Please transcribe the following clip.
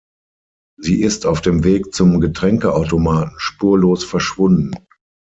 Sie ist auf dem Weg zum Getränkeautomaten spurlos verschwunden.